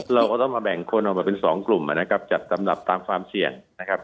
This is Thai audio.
เราก็ต้องมาแบ่งคนมาเป็น๒กลุ่มจัดสำหรับความเสี่ยง